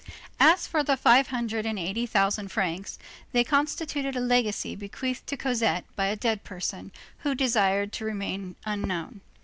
As for the five hundred and eighty thousand francs, they constituted a legacy bequeathed to Cosette by a dead person, who desired to remain unknown.